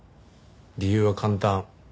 理由は簡単。